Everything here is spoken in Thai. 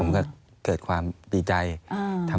อันดับ๖๓๕จัดใช้วิจิตร